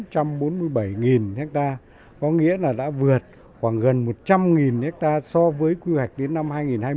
tây nguyên này thì chỉ có bốn trăm bốn mươi bảy hectare có nghĩa là đã vượt khoảng gần một trăm linh hectare so với quy hoạch đến năm hai nghìn hai mươi